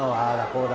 こうだ。